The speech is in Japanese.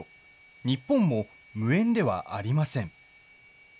日本も無縁ではありません。